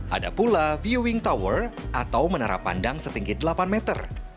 ada pula viewing tower atau menara pandang setinggi delapan meter